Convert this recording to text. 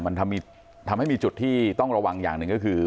มันทำให้มีจุดที่ต้องระวังอย่างหนึ่งก็คือ